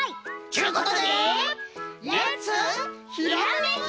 ちゅうことでレッツひらめき！